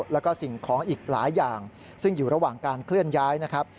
แล้วก็สิ่งของอีกหลายอย่างซึ่งอยู่ระหว่างการเคลื่อนย้ายนะครับ